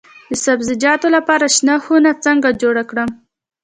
د سبزیجاتو لپاره شنه خونه څنګه جوړه کړم؟